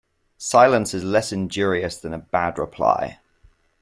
Silence is less injurious than a bad reply.